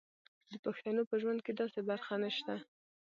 د پښتنو په ژوند کې داسې برخه نشته.